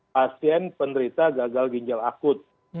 pasien penderita gagal ginjal akut